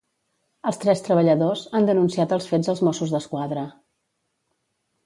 Els tres treballadors han denunciat els fets als Mossos d'Esquadra.